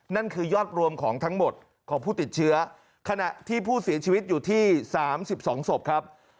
นั่นคือยอดรวมของทั้งหมดของผู้ติดเชื้อขณะที่ผู้เสียชีวิตอยู่ที่๓๒ศพครับ